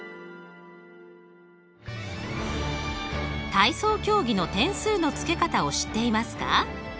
体操競技の点数のつけ方を知っていますか？